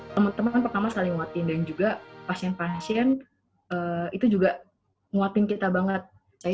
teman teman pertama saling nguatin dan juga pasien pasien itu juga nguatin kita banget saya